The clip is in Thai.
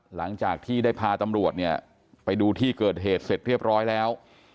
หลังจากที่ได้พาตำรวจเนี่ยไปดูที่เกิดเหตุเสร็จเรียบร้อยแล้ว